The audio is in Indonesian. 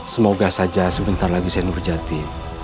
semoga saja sebentar lagi seh nurjati